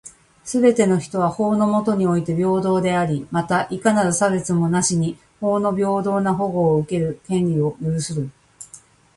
すべての人は、法の下において平等であり、また、いかなる差別もなしに法の平等な保護を受ける権利を有する。